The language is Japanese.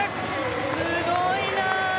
すごいな。